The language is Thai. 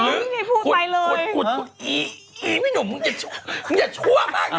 หรือขุดขุดอีอีพี่หนุ่มมึงอย่ามึงอย่าช่วงมาก